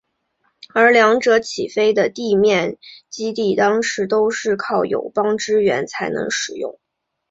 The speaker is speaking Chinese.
而两者起飞的地面基地当时都是靠友邦支援才能使用。